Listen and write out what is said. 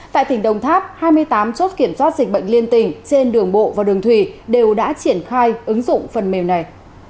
tại tỉnh đồng tháp hai mươi tám chốt kiểm soát dịch bệnh liên tỉnh trên đường bộ và đường thủy đều đã triển khai ứng dụng phần mềm này